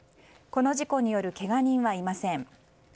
この事故によるけが人はいません。